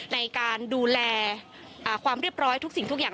ในการดูแลความเรียบร้อยทุกสิ่งทุกอย่าง